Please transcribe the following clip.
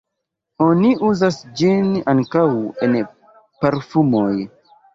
Oni uzas ĝin ankaŭ en parfumoj.